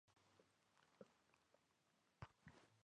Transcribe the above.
El período de floración es de mayo a junio.